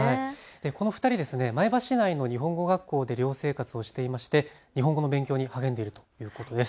この２人は前橋市内の日本語学校で寮生活をしていまして日本語の勉強に励んでいるようです。